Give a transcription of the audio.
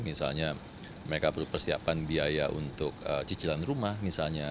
misalnya mereka perlu persiapan biaya untuk cicilan rumah misalnya